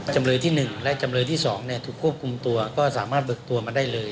จำเลยที่๑และจำเลยที่๒ถูกควบคุมตัวก็สามารถเบิกตัวมาได้เลย